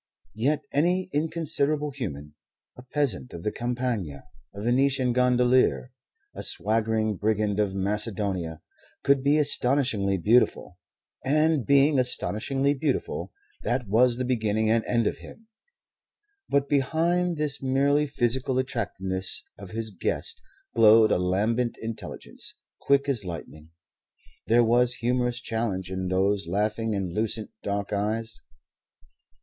Yet any inconsiderable human a peasant of the Campagna, a Venetian gondolier, a swaggering brigand of Macedonia could be astonishingly beautiful. And, being astonishingly beautiful, that was the beginning and end of him. But behind this merely physical attractiveness of his guest glowed a lambent intelligence, quick as lightning. There was humorous challenge in those laughing and lucent dark eyes.